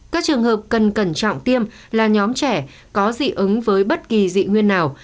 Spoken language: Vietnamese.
các trường hợp cần cẩn trọng tiêm là nhóm trẻ có dị ứng với bất kỳ dị nguyên nào